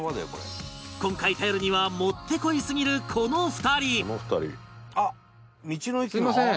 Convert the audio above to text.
今回頼るにはもってこいすぎるこの２人すいません。